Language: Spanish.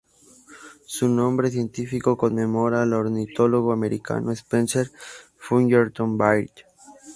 Su nombre científico conmemora al ornitólogo americano Spencer Fullerton Baird.